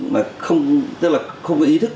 mà không có ý thức